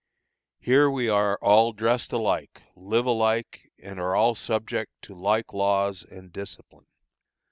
Here we are all dressed alike, live alike, and are all subject to like laws and discipline.